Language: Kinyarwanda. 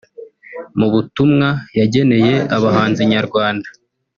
Mu butumwa yageneye abahanzi nyarwanda